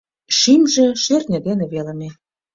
Шӱмжӧ шӧртньӧ дене велыме